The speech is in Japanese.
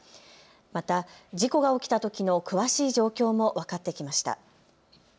また事故が起きたときの詳しい状況も分かってきました。